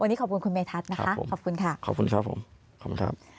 วันนี้ขอบคุณคุณเมธัศน์นะคะขอบคุณค่ะ